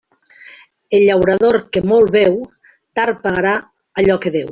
El llaurador que molt beu, tard pagarà allò que deu.